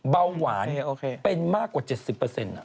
เบาหวานเป็นมากกว่า๗๐